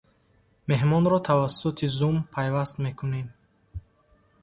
Меҳмонро тавассути Zoom пайваст мекунем.